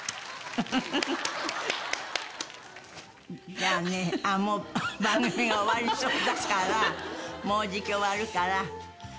じゃあねあっもう番組が終わりそうだからもうじき終わるから。